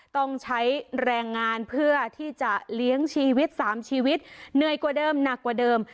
ต้องใช้แรงงานเพื่อที่จะเลี้ยงชีวิต๓ชีวิตเหนื่อยกว่าเดิมหนักกว่าเดิม